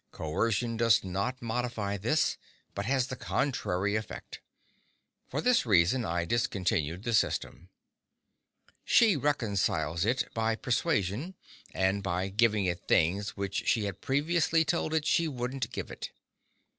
Coercion does not modify this, but has the contrary effect. For this reason I discontinued the system. She reconciles it by persuasion, and by giving it things which she had previously told it she wouldn't give it.